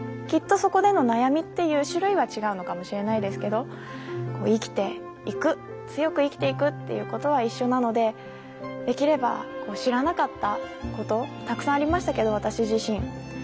きっとそこでの悩みっていう種類は違うのかもしれないですけど生きていく強く生きていくっていうことは一緒なのでできれば知らなかったことたくさんありましたけど私自身。